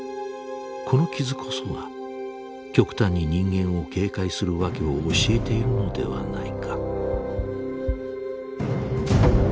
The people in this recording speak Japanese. この傷こそが極端に人間を警戒する訳を教えているのではないか。